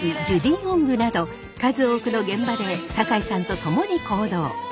ジュディ・オングなど数多くの現場で酒井さんと共に行動。